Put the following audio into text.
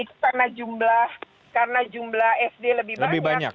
itu karena jumlah sd lebih banyak